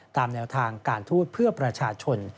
ตามแนวทางการทูตเพื่อประชาชน